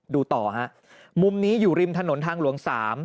ดูต่อฮะมุมนี้อยู่ริมถนนทางหลวง๓